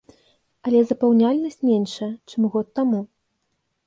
Але запаўняльнасць меншая, чым год таму.